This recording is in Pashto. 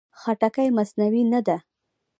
خټکی مصنوعي نه ده.